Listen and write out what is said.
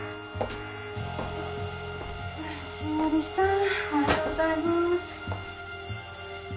紫織さんおはようございます。